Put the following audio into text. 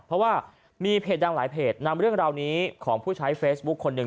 เพราะว่ามีเพจดังหลายเพจนำเรื่องราวนี้ของผู้ใช้เฟซบุ๊คคนหนึ่ง